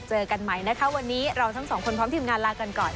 เจอกันใหม่นะคะวันนี้เราทั้งสองคนพร้อมทีมงานลากันก่อน